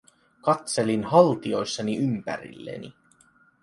Katselin haltioissani ympärilleni.